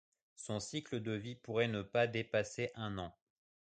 Son cycle de vie pourrait ne pas dépasser un an.